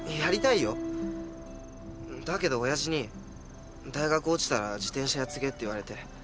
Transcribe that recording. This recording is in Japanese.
だけどオヤジに大学落ちたら自転車屋継げって言われて。